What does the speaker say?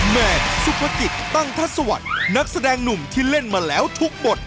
แมนสุภกิจตั้งทัศวรรค์นักแสดงหนุ่มที่เล่นมาแล้วทุกบท